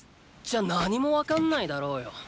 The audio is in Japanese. じゃあ何もわかんないだろうよ。